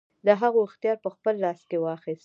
د هغو اختیار په خپل لاس کې واخیست.